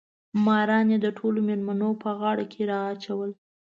ماران یې د ټولو مېلمنو په غاړو کې راچول.